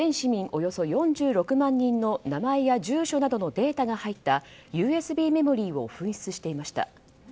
およそ４６万人の名前や住所などのデータが入ったＵＳＢメモリーを紛失していました。